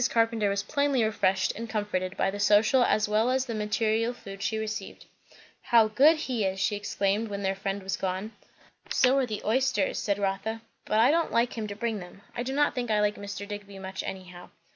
Carpenter was plainly refreshed and comforted, by the social as well as the material food she received. "How good he is!" she exclaimed when their friend was gone. "So are the oysters," said Rotha; "but I don't like him to bring them. I do not think I like Mr. Digby much, anyhow."